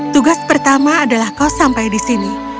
tugas pertama adalah kau sampai di sini